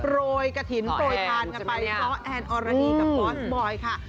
โรยกระถิ่นโปรยทานกันไปซ้อแอนออรดีกับบอสบอยค่ะ